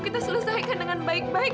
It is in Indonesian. kita selesaikan dengan baik baik